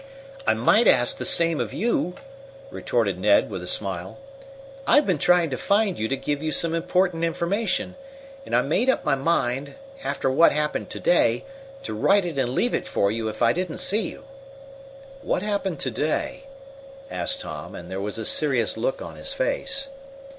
"I might ask the same of you," retorted Ned, with a smile. "I've been trying to find you to give you some important information, and I made up my mind, after what happened to day, to write it and leave it for you if I didn't see you." "What happened to day?" asked Tom, and there was a serious look on his face.